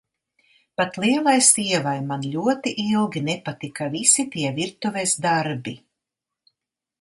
Pat lielai sievai man ļoti ilgi nepatika visi tie virtuves darbi.